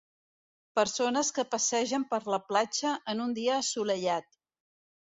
Persones que passegen per la platja en un dia assolellat